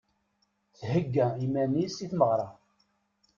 Thegga iman-is i tmeɣra.